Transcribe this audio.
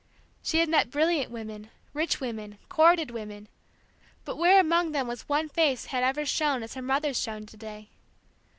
She had met brilliant women, rich women, courted women but where among them was one whose face had ever shone as her mother's shone to day?